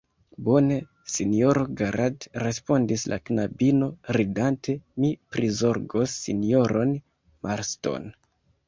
Bone, sinjoro Garrat, respondis la knabino, ridante, mi prizorgos sinjoron Marston.